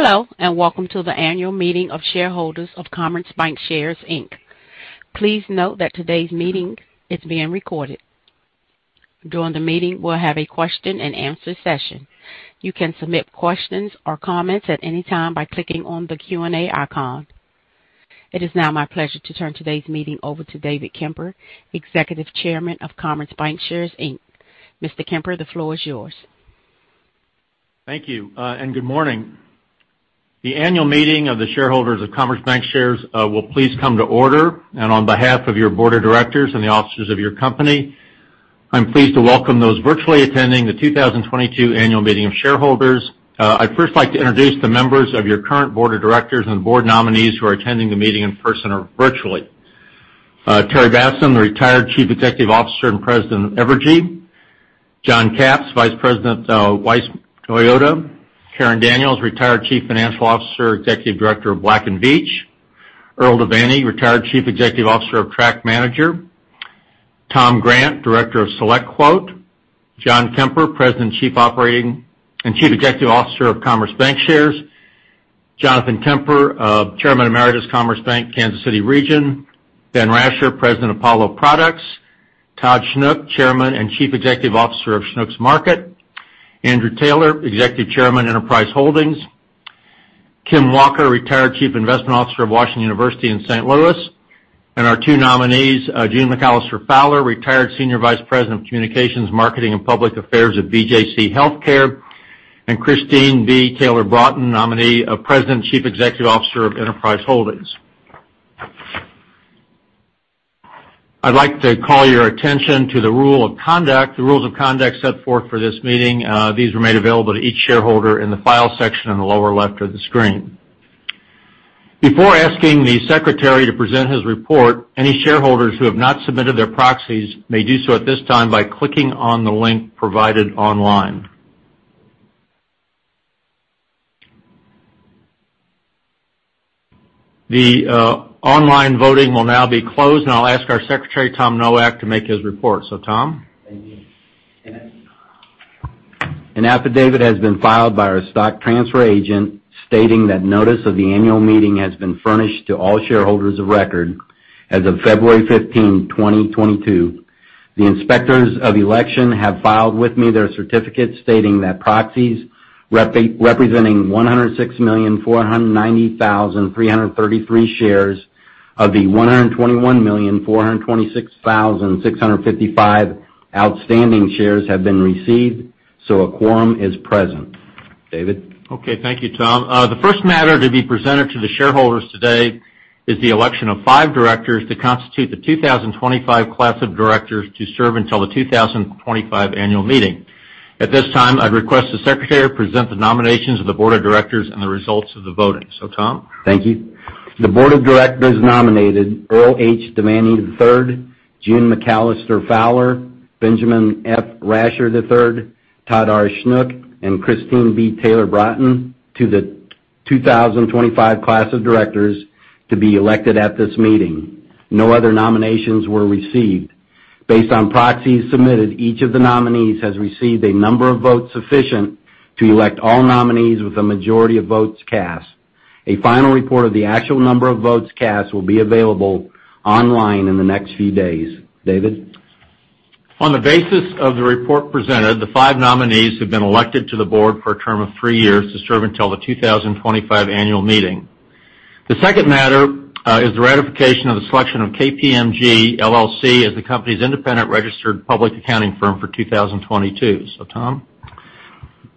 Hello, and welcome to the annual meeting of shareholders of Commerce Bancshares, Inc. Please note that today's meeting is being recorded. During the meeting, we'll have a question-and-answer session. You can submit questions or comments at any time by clicking on the Q&A icon. It is now my pleasure to turn today's meeting over to David Kemper, Executive Chairman of Commerce Bancshares, Inc. Mr. Kemper, the floor is yours. Thank you, and good morning. The annual meeting of the shareholders of Commerce Bancshares will please come to order. On behalf of your board of directors and the officers of your company, I'm pleased to welcome those virtually attending the 2022 annual meeting of shareholders. I'd first like to introduce the members of your current board of directors and board nominees who are attending the meeting in person or virtually. Terry Bassham, the retired Chief Executive Officer and President of Evergy. John Capps, Vice President of Weiss Toyota. Karen Daniel, retired Chief Financial Officer, Executive Director of Black & Veatch. Earl Devanny, retired Chief Executive Officer of TractManager. Tom Grant, Director of SelectQuote. John Kemper, President and Chief Executive Officer of Commerce Bancshares. Jonathan Kemper, Chairman Emeritus, Commerce Bank, Kansas City Region. Ben Rassieur, President of Paulo Products. Todd Schnuck, Chairman and Chief Executive Officer of Schnuck Markets. Andrew Taylor, Executive Chairman, Enterprise Holdings. Kim Walker, retired Chief Investment Officer of Washington University in St. Louis. Our two nominees, June McAllister Fowler, retired Senior Vice President of Communications, Marketing, and Public Affairs at BJC HealthCare. Christine B. Taylor-Broughton, nominee of President and Chief Executive Officer of Enterprise Holdings. I'd like to call your attention to the rule of conduct, the rules of conduct set forth for this meeting. These were made available to each shareholder in the Files section in the lower left of the screen. Before asking the secretary to present his report, any shareholders who have not submitted their proxies may do so at this time by clicking on the link provided online. The online voting will now be closed, and I'll ask our Secretary, Tom Nowak, to make his report. Tom? Thank you. An affidavit has been filed by our stock transfer agent stating that notice of the annual meeting has been furnished to all shareholders of record as of February 15, 2022. The Inspectors of Election have filed with me their certificates stating that proxies representing 106,490,333 shares of the 121,426,655 outstanding shares have been received, so a quorum is present. David? Okay, thank you, Tom. The first matter to be presented to the shareholders today is the election of five directors to constitute the 2025 class of directors to serve until the 2025 annual meeting. At this time, I'd request the secretary present the nominations of the board of directors and the results of the voting. Tom? Thank you. The board of directors nominated Earl H. Devanny III, June McAllister Fowler, Benjamin F. Rassieur III, Todd R. Schnuck, and Christine B. Taylor-Broughton to the 2025 class of directors to be elected at this meeting. No other nominations were received. Based on proxies submitted, each of the nominees has received a number of votes sufficient to elect all nominees with the majority of votes cast. A final report of the actual number of votes cast will be available online in the next few days. David? On the basis of the report presented, the five nominees have been elected to the board for a term of three years to serve until the 2025 annual meeting. The second matter is the ratification of the selection of KPMG LLP as the company's independent registered public accounting firm for 2022. Tom?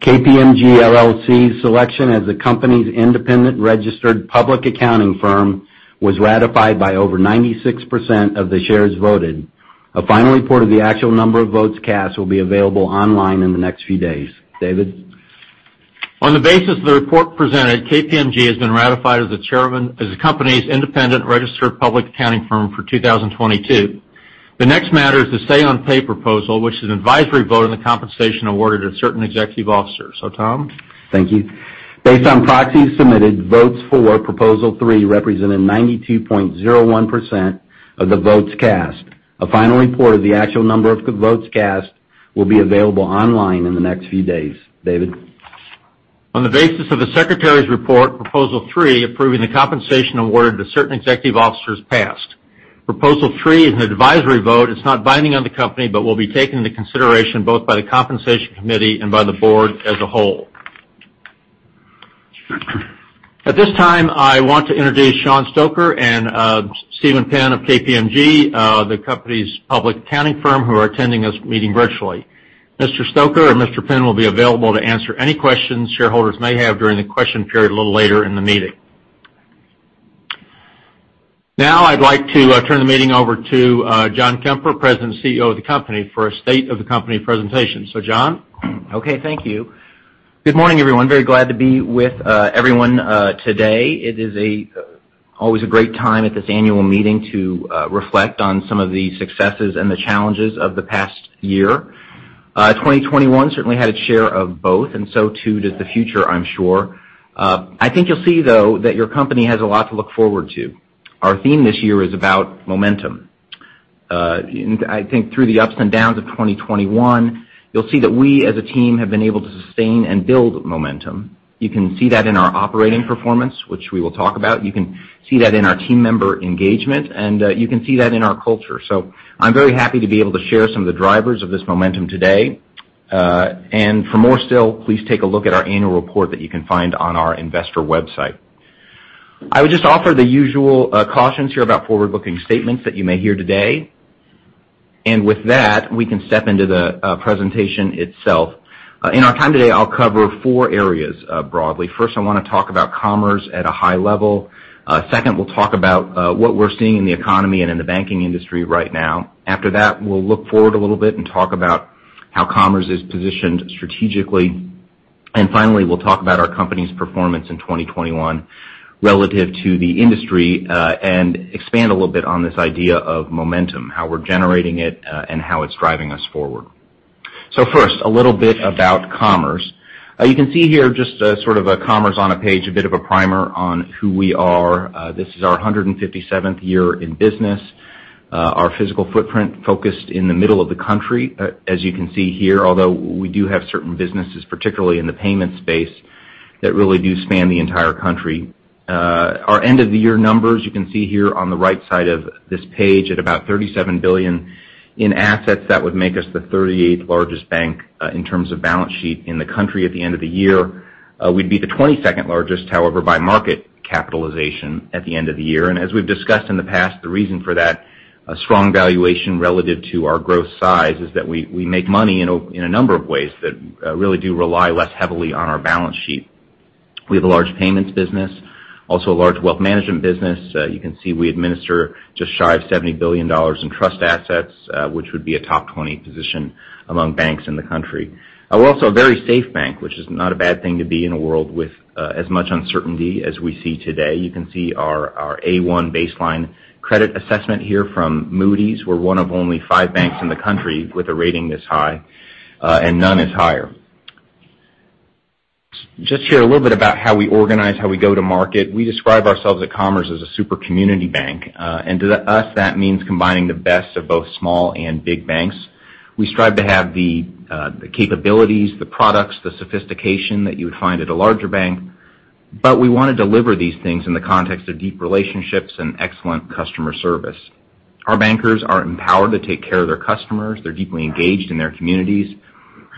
KPMG LLP's selection as the company's independent registered public accounting firm was ratified by over 96% of the shares voted. A final report of the actual number of votes cast will be available online in the next few days. David? On the basis of the report presented, KPMG has been ratified as the company's independent registered public accounting firm for 2022. The next matter is the say-on-pay proposal, which is an advisory vote on the compensation awarded to certain executive officers. Tom? Thank you. Based on proxies submitted, votes for Proposal 3 represented 92.01% of the votes cast. A final report of the actual number of votes cast will be available online in the next few days. David? On the basis of the secretary's report, Proposal 3, approving the compensation awarded to certain executive officers, passed. Proposal three is an advisory vote. It's not binding on the company, but will be taken into consideration both by the Compensation Committee and by the board as a whole. At this time, I want to introduce Sean Stoker and Stephen Penn of KPMG, the company's public accounting firm, who are attending this meeting virtually. Mr. Stoker and Mr. Penn will be available to answer any questions shareholders may have during the question period a little later in the meeting. Now I'd like to turn the meeting over to John Kemper, President and CEO of the company, for a state of the company presentation. John? Okay, thank you. Good morning, everyone. Very glad to be with everyone today. It is always a great time at this annual meeting to reflect on some of the successes and the challenges of the past year. 2021 certainly had its share of both, and so too does the future, I'm sure. I think you'll see, though, that your company has a lot to look forward to. Our theme this year is about momentum. I think through the ups and downs of 2021, you'll see that we as a team have been able to sustain and build momentum. You can see that in our operating performance, which we will talk about. You can see that in our team member engagement, and you can see that in our culture. I'm very happy to be able to share some of the drivers of this momentum today. For more still, please take a look at our annual report that you can find on our investor website. I would just offer the usual cautions here about forward-looking statements that you may hear today. With that, we can step into the presentation itself. In our time today, I'll cover four areas broadly. First, I wanna talk about Commerce at a high level. Second, we'll talk about what we're seeing in the economy and in the banking industry right now. After that, we'll look forward a little bit and talk about how Commerce is positioned strategically. Finally, we'll talk about our company's performance in 2021 relative to the industry, and expand a little bit on this idea of momentum, how we're generating it, and how it's driving us forward. First, a little bit about Commerce. You can see here just a sort of a Commerce on a page, a bit of a primer on who we are. This is our 157th year in business. Our physical footprint focused in the middle of the country, as you can see here, although we do have certain businesses, particularly in the payment space, that really do span the entire country. Our end of the year numbers, you can see here on the right side of this page at about $37 billion in assets. That would make us the 38th largest bank in terms of balance sheet in the country at the end of the year. We'd be the 22nd largest, however, by market capitalization at the end of the year. As we've discussed in the past, the reason for that, a strong valuation relative to our growth size, is that we make money in a number of ways that really do rely less heavily on our balance sheet. We have a large payments business, also a large wealth management business. You can see we administer just shy of $70 billion in trust assets, which would be a top twenty position among banks in the country. We're also a very safe bank, which is not a bad thing to be in a world with as much uncertainty as we see today. You can see our A1 baseline credit assessment here from Moody's. We're one of only five banks in the country with a rating this high, and none is higher. Just here, a little bit about how we organize, how we go to market. We describe ourselves at Commerce as a super community bank, and to us, that means combining the best of both small and big banks. We strive to have the capabilities, the products, the sophistication that you would find at a larger bank, but we wanna deliver these things in the context of deep relationships and excellent customer service. Our bankers are empowered to take care of their customers. They're deeply engaged in their communities. You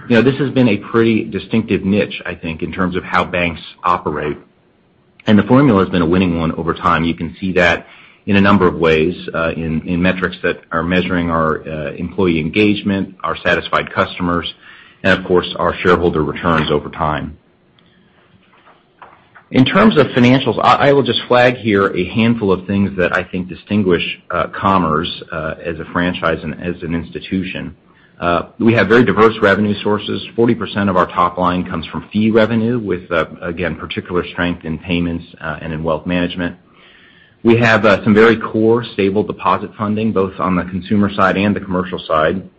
know, this has been a pretty distinctive niche, I think, in terms of how banks operate, and the formula has been a winning one over time. You can see that in a number of ways, in metrics that are measuring our employee engagement, our satisfied customers, and of course, our shareholder returns over time. In terms of financials, I will just flag here a handful of things that I think distinguish Commerce as a franchise and as an institution. We have very diverse revenue sources. 40% of our top line comes from fee revenue with again, particular strength in payments and in wealth management. We have some very core stable deposit funding, both on the consumer side and the commercial side,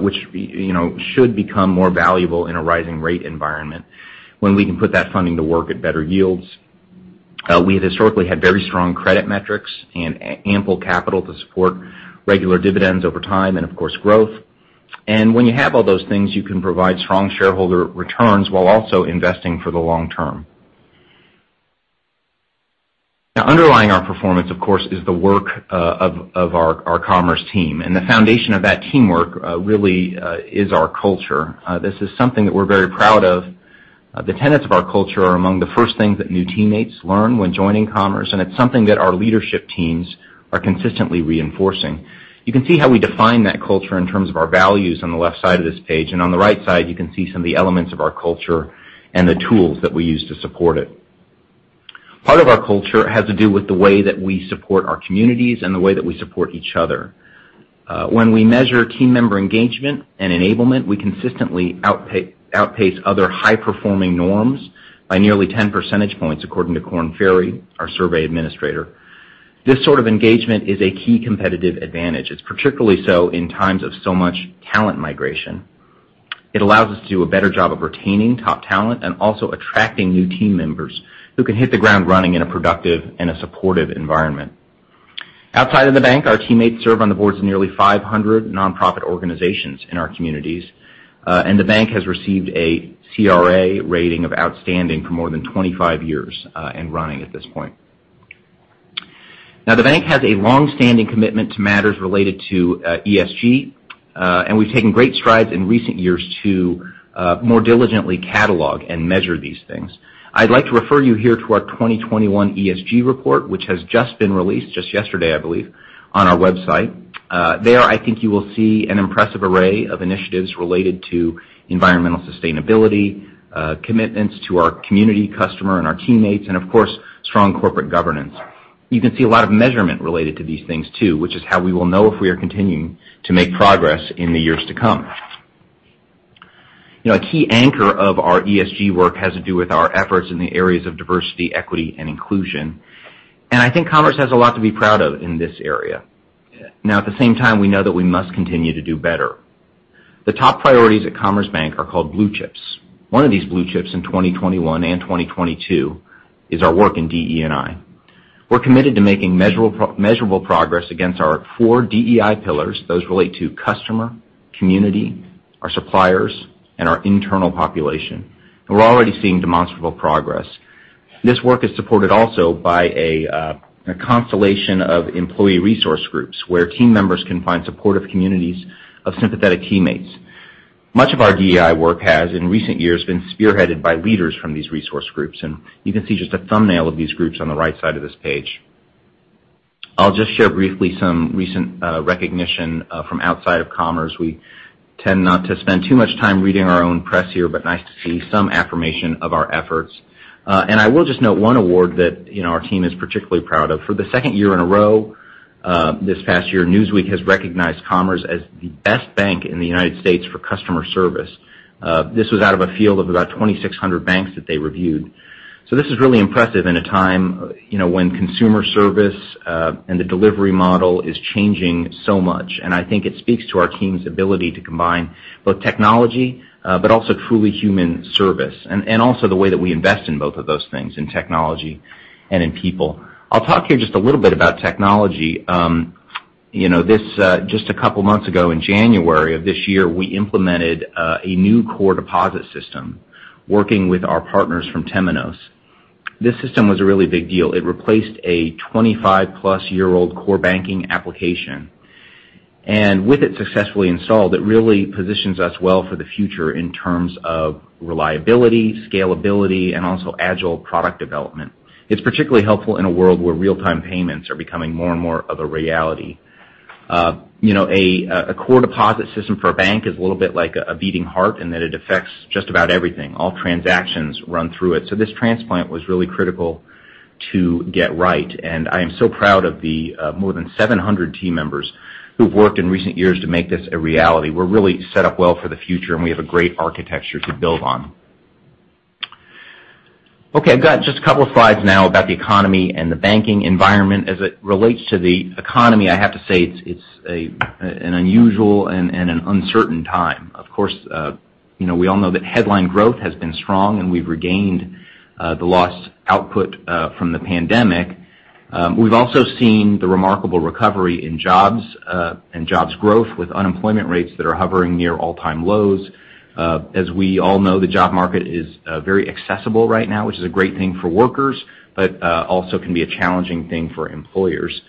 which you know, should become more valuable in a rising rate environment when we can put that funding to work at better yields. We historically had very strong credit metrics and ample capital to support regular dividends over time and, of course, growth. When you have all those things, you can provide strong shareholder returns while also investing for the long term. Now, underlying our performance, of course, is the work of our Commerce team. The foundation of that teamwork really is our culture. This is something that we're very proud of. The tenets of our culture are among the first things that new teammates learn when joining Commerce, and it's something that our leadership teams are consistently reinforcing. You can see how we define that culture in terms of our values on the left side of this page. On the right side, you can see some of the elements of our culture and the tools that we use to support it. Part of our culture has to do with the way that we support our communities and the way that we support each other. When we measure team member engagement and enablement, we consistently outpace other high-performing norms by nearly 10 percentage points, according to Korn Ferry, our survey administrator. This sort of engagement is a key competitive advantage. It's particularly so in times of so much talent migration. It allows us to do a better job of retaining top talent and also attracting new team members who can hit the ground running in a productive and a supportive environment. Outside of the bank, our teammates serve on the boards of nearly 500 nonprofit organizations in our communities, and the bank has received a CRA rating of outstanding for more than 25 years, and running at this point. Now, the bank has a long-standing commitment to matters related to ESG, and we've taken great strides in recent years to more diligently catalog and measure these things. I'd like to refer you here to our 2021 ESG report, which has just been released just yesterday, I believe, on our website. There, I think you will see an impressive array of initiatives related to environmental sustainability, commitments to our community, customer, and our teammates, and of course, strong corporate governance. You can see a lot of measurement related to these things too, which is how we will know if we are continuing to make progress in the years to come. You know, a key anchor of our ESG work has to do with our efforts in the areas of diversity, equity, and inclusion. I think Commerce has a lot to be proud of in this area. Now, at the same time, we know that we must continue to do better. The top priorities at Commerce Bank are called Blue Chips. One of these Blue Chips in 2021 and 2022 is our work in DE&I. We're committed to making measurable progress against our four DEI pillars. Those relate to customer, community, our suppliers, and our internal population. We're already seeing demonstrable progress. This work is supported also by a constellation of employee resource groups, where team members can find supportive communities of sympathetic teammates. Much of our DEI work has, in recent years, been spearheaded by leaders from these resource groups, and you can see just a thumbnail of these groups on the right side of this page. I'll just share briefly some recent recognition from outside of Commerce. We tend not to spend too much time reading our own press here, but nice to see some affirmation of our efforts. I will just note one award that, you know, our team is particularly proud of. For the second year in a row, this past year, Newsweek has recognized Commerce as the best bank in the United States for customer service. This was out of a field of about 2,600 banks that they reviewed. This is really impressive in a time, you know, when consumer service and the delivery model is changing so much. I think it speaks to our team's ability to combine both technology but also truly human service, and also the way that we invest in both of those things, in technology and in people. I'll talk here just a little bit about technology. You know, just a couple months ago, in January of this year, we implemented a new core deposit system working with our partners from Temenos. This system was a really big deal. It replaced a 25+-year-old core banking application. With it successfully installed, it really positions us well for the future in terms of reliability, scalability, and also agile product development. It's particularly helpful in a world where real-time payments are becoming more and more of a reality. You know, a core deposit system for a bank is a little bit like a beating heart in that it affects just about everything. All transactions run through it. This transplant was really critical to get right, and I am so proud of the more than 700 team members who've worked in recent years to make this a reality. We're really set up well for the future, and we have a great architecture to build on. Okay, I've got just a couple of slides now about the economy and the banking environment. As it relates to the economy, I have to say it's an unusual and an uncertain time. Of course, you know, we all know that headline growth has been strong, and we've regained the lost output from the pandemic. We've also seen the remarkable recovery in jobs, and jobs growth with unemployment rates that are hovering near all-time lows. As we all know, the job market is very accessible right now, which is a great thing for workers, but also can be a challenging thing for employers.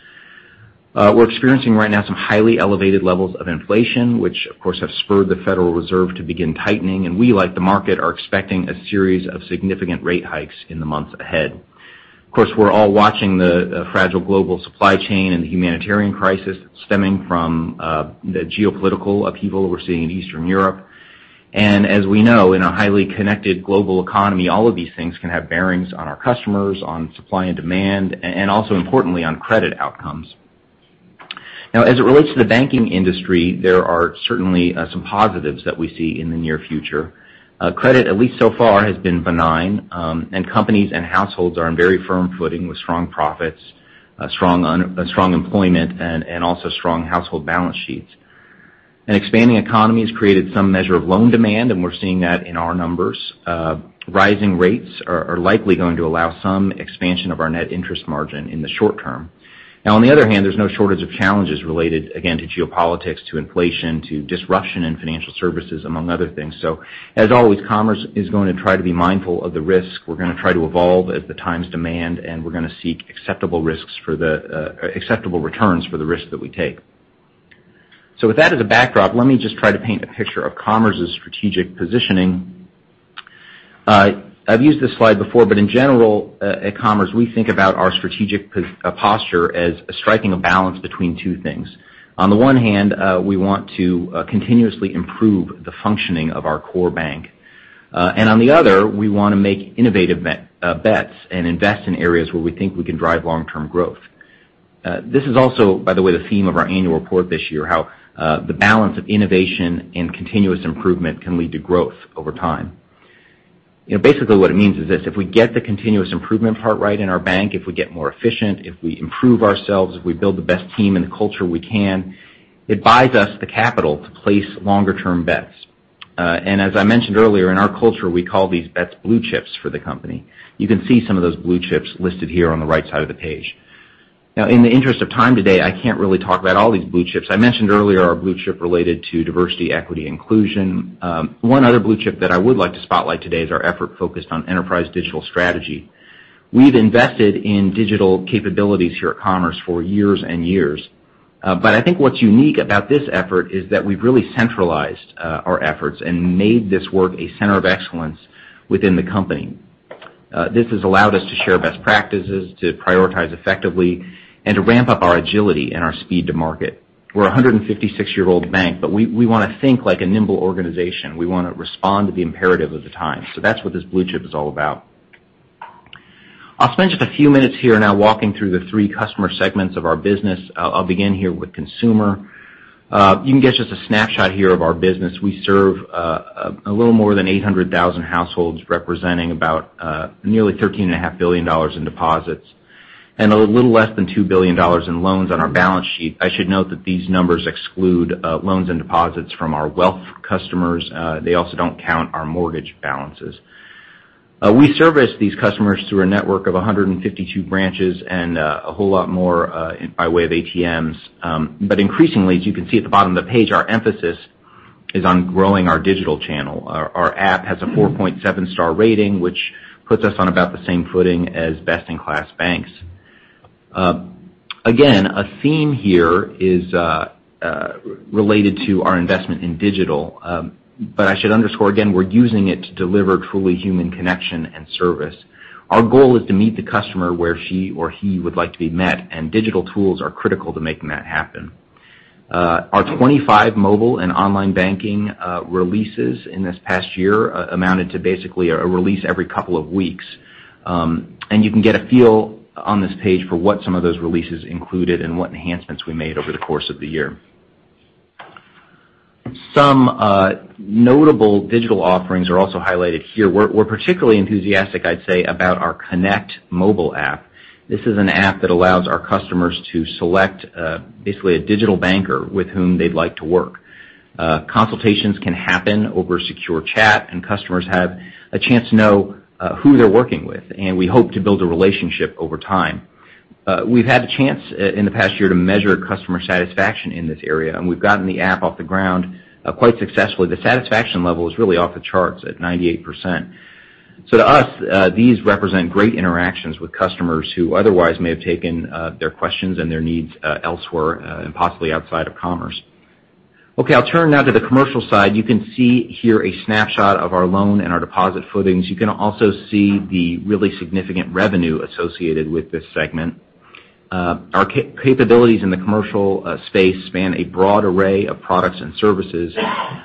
We're experiencing right now some highly elevated levels of inflation, which, of course, have spurred the Federal Reserve to begin tightening, and we, like the market, are expecting a series of significant rate hikes in the months ahead. Of course, we're all watching the fragile global supply chain and the humanitarian crisis stemming from the geopolitical upheaval we're seeing in Eastern Europe. As we know, in a highly connected global economy, all of these things can have bearings on our customers, on supply and demand, and also importantly, on credit outcomes. Now, as it relates to the banking industry, there are certainly some positives that we see in the near future. Credit, at least so far, has been benign, and companies and households are on very firm footing with strong profits, strong employment and also strong household balance sheets. An expanding economy has created some measure of loan demand, and we're seeing that in our numbers. Rising rates are likely going to allow some expansion of our net interest margin in the short term. Now, on the other hand, there's no shortage of challenges related, again, to geopolitics, to inflation, to disruption in financial services, among other things. As always, Commerce is going to try to be mindful of the risk. We're gonna try to evolve as the times demand, and we're gonna seek acceptable risks for the acceptable returns for the risks that we take. With that as a backdrop, let me just try to paint a picture of Commerce's strategic positioning. I've used this slide before, but in general, at Commerce, we think about our strategic posture as striking a balance between two things. On the one hand, we want to continuously improve the functioning of our core bank. On the other, we wanna make innovative bets and invest in areas where we think we can drive long-term growth. This is also, by the way, the theme of our annual report this year, how the balance of innovation and continuous improvement can lead to growth over time. You know, basically, what it means is this. If we get the continuous improvement part right in our bank, if we get more efficient, if we improve ourselves, if we build the best team and the culture we can, it buys us the capital to place longer-term bets. As I mentioned earlier, in our culture, we call these bets Blue Chips for the company. You can see some of those Blue Chips listed here on the right side of the page. Now, in the interest of time today, I can't really talk about all these Blue Chips. I mentioned earlier our Blue Chip related to diversity, equity, and inclusion. One other Blue Chip that I would like to spotlight today is our effort focused on enterprise digital strategy. We've invested in digital capabilities here at Commerce for years and years. But I think what's unique about this effort is that we've really centralized our efforts and made this work a center of excellence within the company. This has allowed us to share best practices, to prioritize effectively, and to ramp up our agility and our speed to market. We're a 156-year-old bank, but we wanna think like a nimble organization. We wanna respond to the imperative of the time. That's what this Blue Chip is all about. I'll spend just a few minutes here now walking through the three customer segments of our business. I'll begin here with consumer. You can get just a snapshot here of our business. We serve a little more than 800,000 households, representing about nearly $13.5 billion in deposits. A little less than $2 billion in loans on our balance sheet. I should note that these numbers exclude loans and deposits from our wealth customers. They also don't count our mortgage balances. We service these customers through a network of 152 branches and a whole lot more by way of ATMs. Increasingly, as you can see at the bottom of the page, our emphasis is on growing our digital channel. Our app has a 4.7-star rating, which puts us on about the same footing as best-in-class banks. Again, a theme here is related to our investment in digital. I should underscore again, we're using it to deliver truly human connection and service. Our goal is to meet the customer where she or he would like to be met, and digital tools are critical to making that happen. Our 25 mobile and online banking releases in this past year amounted to basically a release every couple of weeks. You can get a feel on this page for what some of those releases included, and what enhancements we made over the course of the year. Some notable digital offerings are also highlighted here. We're particularly enthusiastic, I'd say, about our Connect mobile app. This is an app that allows our customers to select basically a digital banker with whom they'd like to work. Consultations can happen over secure chat, and customers have a chance to know who they're working with. We hope to build a relationship over time. We've had the chance in the past year to measure customer satisfaction in this area, and we've gotten the app off the ground quite successfully. The satisfaction level is really off the charts at 98%. To us, these represent great interactions with customers who otherwise may have taken their questions and their needs elsewhere, and possibly outside of Commerce. Okay, I'll turn now to the commercial side. You can see here a snapshot of our loan and our deposit footings. You can also see the really significant revenue associated with this segment. Our capabilities in the commercial space span a broad array of products and services.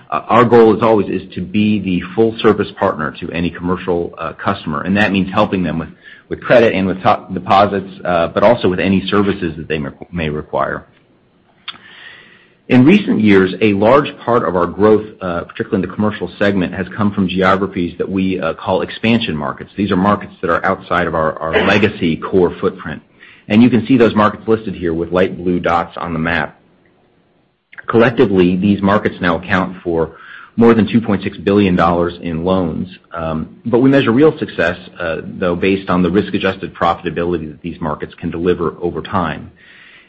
Our goal as always is to be the full service partner to any commercial customer, and that means helping them with credit and with deposits, but also with any services that they may require. In recent years, a large part of our growth, particularly in the commercial segment, has come from geographies that we call expansion markets. These are markets that are outside of our legacy core footprint. You can see those markets listed here with light blue dots on the map. Collectively, these markets now account for more than $2.6 billion in loans. But we measure real success, though, based on the risk-adjusted profitability that these markets can deliver over time.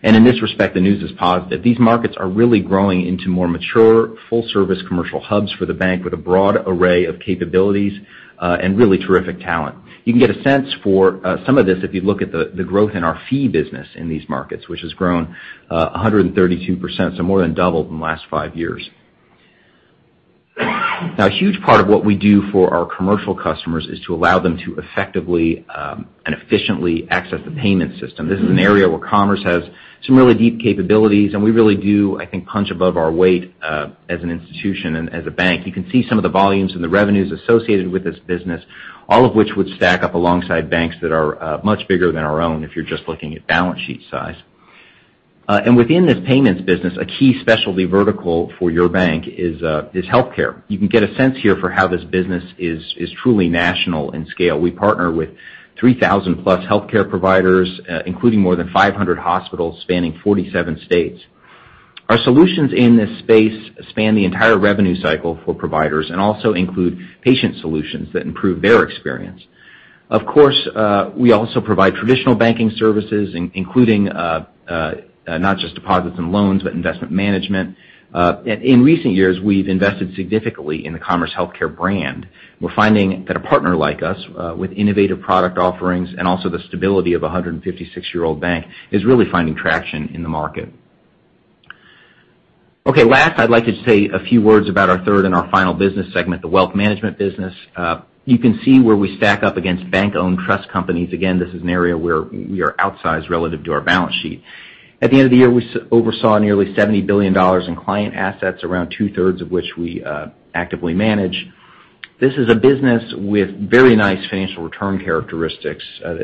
In this respect, the news is positive. These markets are really growing into more mature, full service commercial hubs for the bank with a broad array of capabilities, and really terrific talent. You can get a sense for some of this if you look at the growth in our fee business in these markets, which has grown 132%, so more than doubled in the last five years. Now, a huge part of what we do for our commercial customers is to allow them to effectively and efficiently access the payment system. This is an area where Commerce has some really deep capabilities, and we really do, I think, punch above our weight, as an institution and as a bank. You can see some of the volumes and the revenues associated with this business, all of which would stack up alongside banks that are much bigger than our own, if you're just looking at balance sheet size. Within this payments business, a key specialty vertical for your bank is healthcare. You can get a sense here for how this business is truly national in scale. We partner with 3,000+ healthcare providers, including more than 500 hospitals spanning 47 states. Our solutions in this space span the entire revenue cycle for providers and also include patient solutions that improve their experience. Of course, we also provide traditional banking services including not just deposits and loans, but investment management. In recent years, we've invested significantly in the Commerce healthcare brand. We're finding that a partner like us, with innovative product offerings and also the stability of a 156-year-old bank, is really finding traction in the market. Okay, last, I'd like to say a few words about our third and our final business segment, the wealth management business. You can see where we stack up against bank-owned trust companies. Again, this is an area where we are outsized relative to our balance sheet. At the end of the year, we oversaw nearly $70 billion in client assets, around 2/3 of which we actively manage. This is a business with very nice financial return characteristics,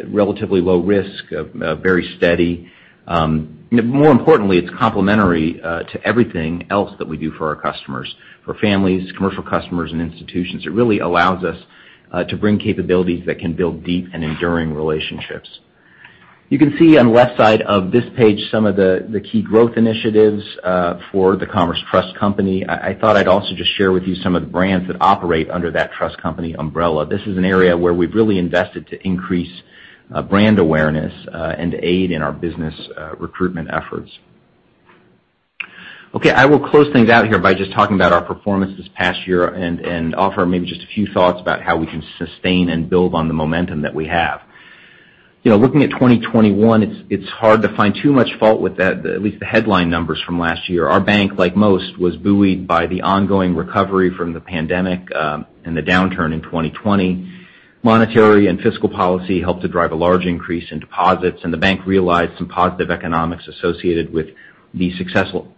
relatively low risk, very steady. More importantly, it's complementary to everything else that we do for our customers. For families, commercial customers and institutions, it really allows us to bring capabilities that can build deep and enduring relationships. You can see on the left side of this page some of the key growth initiatives for the Commerce Trust Company. I thought I'd also just share with you some of the brands that operate under that Trust Company umbrella. This is an area where we've really invested to increase brand awareness and to aid in our business recruitment efforts. Okay, I will close things out here by just talking about our performance this past year and offer maybe just a few thoughts about how we can sustain and build on the momentum that we have. You know, looking at 2021, it's hard to find too much fault with that, at least the headline numbers from last year. Our bank, like most, was buoyed by the ongoing recovery from the pandemic and the downturn in 2020. Monetary and fiscal policy helped to drive a large increase in deposits, and the bank realized some positive economics associated with the successful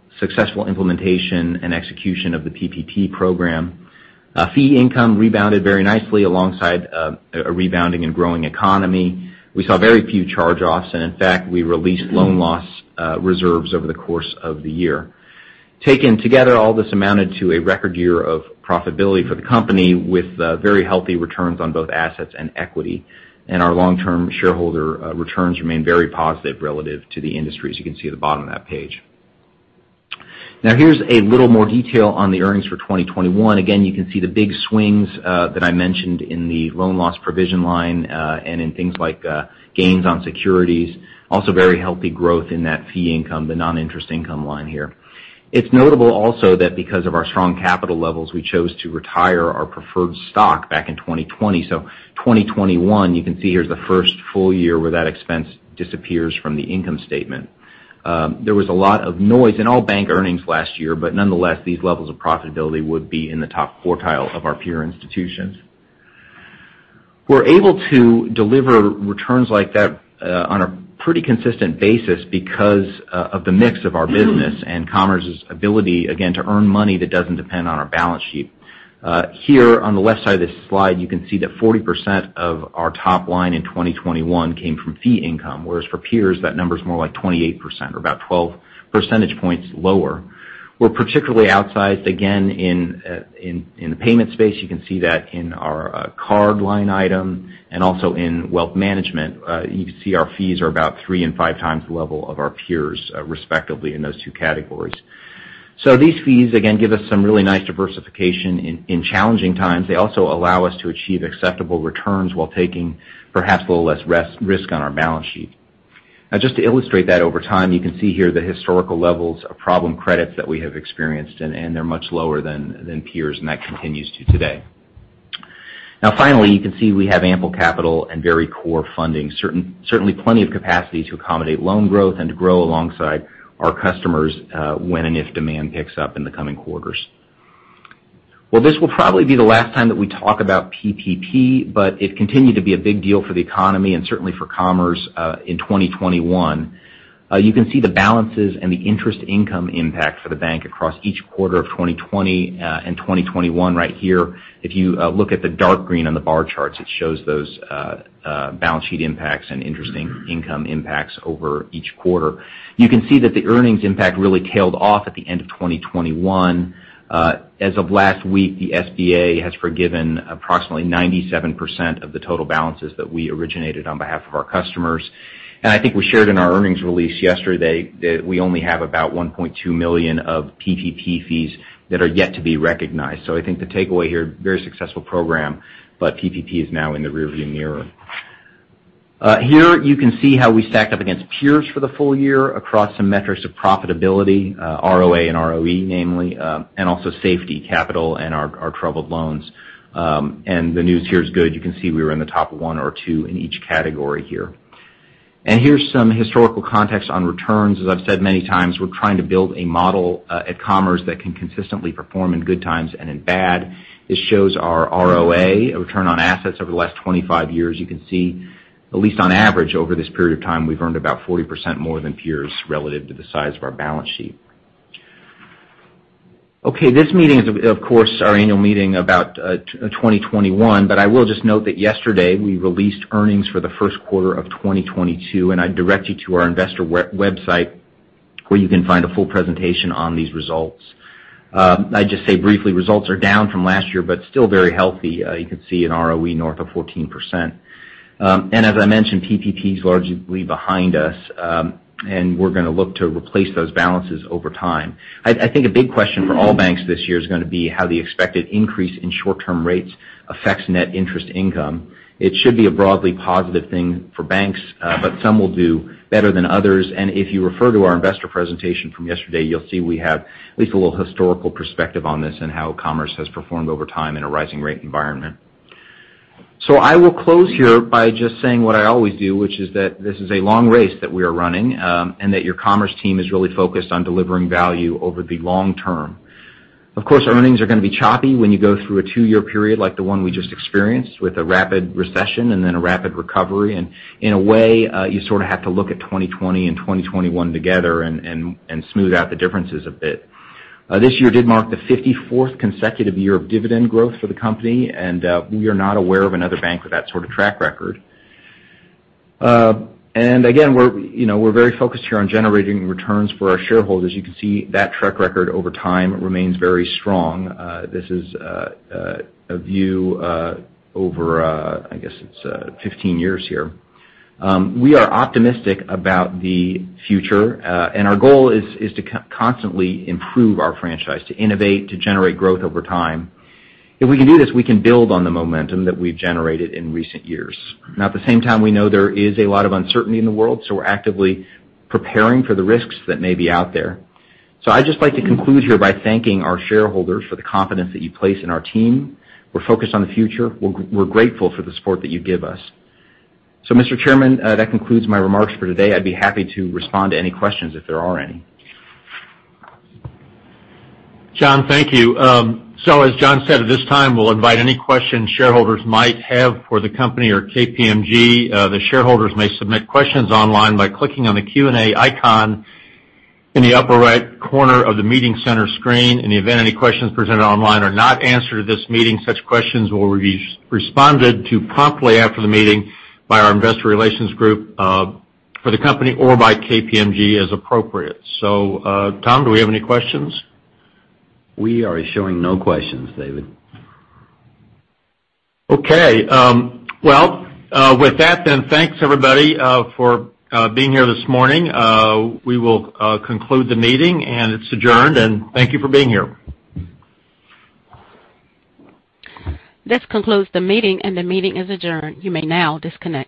implementation and execution of the PPP program. Fee income rebounded very nicely alongside a rebounding and growing economy. We saw very few charge-offs, and in fact, we released loan loss reserves over the course of the year. Taken together, all this amounted to a record year of profitability for the company with very healthy returns on both assets and equity. Our long-term shareholder returns remain very positive relative to the industry, as you can see at the bottom of that page. Now here's a little more detail on the earnings for 2021. Again, you can see the big swings that I mentioned in the loan loss provision line and in things like gains on securities. Also, very healthy growth in that fee income, the non-interest income line here. It's notable also that because of our strong capital levels, we chose to retire our preferred stock back in 2020. 2021, you can see here, is the first full year where that expense disappears from the income statement. There was a lot of noise in all bank earnings last year, but nonetheless, these levels of profitability would be in the top quartile of our peer institutions. We're able to deliver returns like that on a pretty consistent basis because of the mix of our business and Commerce's ability, again, to earn money that doesn't depend on our balance sheet. Here on the left side of this slide, you can see that 40% of our top line in 2021 came from fee income, whereas for peers, that number's more like 28% or about 12 percentage points lower. We're particularly outsized again in the payment space. You can see that in our card line item and also in wealth management. You can see our fees are about 3x and 5x the level of our peers, respectively in those two categories. These fees, again, give us some really nice diversification in challenging times. They also allow us to achieve acceptable returns while taking perhaps a little less risk on our balance sheet. Now, just to illustrate that over time, you can see here the historical levels of problem credits that we have experienced, and they're much lower than peers, and that continues to today. Now finally, you can see we have ample capital and very core funding. Certainly plenty of capacity to accommodate loan growth and to grow alongside our customers, when and if demand picks up in the coming quarters. Well, this will probably be the last time that we talk about PPP, but it continued to be a big deal for the economy and certainly for Commerce in 2021. You can see the balances and the interest income impact for the bank across each quarter of 2020 and 2021 right here. If you look at the dark green on the bar charts, it shows those balance sheet impacts and interest income impacts over each quarter. You can see that the earnings impact really tailed off at the end of 2021. As of last week, the SBA has forgiven approximately 97% of the total balances that we originated on behalf of our customers. I think we shared in our earnings release yesterday that we only have about $1.2 million of PPP fees that are yet to be recognized. I think the takeaway here, very successful program, but PPP is now in the rearview mirror. Here you can see how we stack up against peers for the full year across some metrics of profitability, ROA and ROE namely, and also safety, capital, and our troubled loans. The news here is good. You can see we were in the top one or two in each category here. Here's some historical context on returns. As I've said many times, we're trying to build a model at Commerce that can consistently perform in good times and in bad. This shows our ROA, our return on assets, over the last 25 years. You can see, at least on average over this period of time, we've earned about 40% more than peers relative to the size of our balance sheet. Okay, this meeting is, of course, our annual meeting about 2021, but I will just note that yesterday we released earnings for the first quarter of 2022, and I'd direct you to our investor website where you can find a full presentation on these results. I'd just say briefly, results are down from last year, but still very healthy. You can see an ROE north of 14%. And as I mentioned, PPP is largely behind us, and we're gonna look to replace those balances over time. I think a big question for all banks this year is gonna be how the expected increase in short-term rates affects net interest income. It should be a broadly positive thing for banks, but some will do better than others. If you refer to our investor presentation from yesterday, you'll see we have at least a little historical perspective on this and how Commerce has performed over time in a rising rate environment. I will close here by just saying what I always do, which is that this is a long race that we are running, and that your Commerce team is really focused on delivering value over the long term. Of course, earnings are gonna be choppy when you go through a 2-year period like the one we just experienced, with a rapid recession and then a rapid recovery. In a way, you sort of have to look at 2020 and 2021 together and smooth out the differences a bit. This year did mark the 54th consecutive year of dividend growth for the company, and we are not aware of another bank with that sort of track record. Again, we're, you know, we're very focused here on generating returns for our shareholders. You can see that track record over time remains very strong. This is a view over, I guess it's, 15 years here. We are optimistic about the future, and our goal is to constantly improve our franchise, to innovate, to generate growth over time. If we can do this, we can build on the momentum that we've generated in recent years. Now, at the same time, we know there is a lot of uncertainty in the world, so we're actively preparing for the risks that may be out there. I'd just like to conclude here by thanking our shareholders for the confidence that you place in our team. We're focused on the future. We're grateful for the support that you give us. Mr. Chairman, that concludes my remarks for today. I'd be happy to respond to any questions if there are any. John, thank you. As John said, at this time, we'll invite any questions shareholders might have for the company or KPMG. The shareholders may submit questions online by clicking on the Q&A icon in the upper right corner of the meeting center screen. In the event any questions presented online are not answered at this meeting, such questions will be responded to promptly after the meeting by our investor relations group, for the company or by KPMG as appropriate. Tom, do we have any questions? We are showing no questions, David. Okay. Well, with that then, thanks everybody for being here this morning. We will conclude the meeting, and it's adjourned, and thank you for being here. This concludes the meeting, and the meeting is adjourned. You may now disconnect.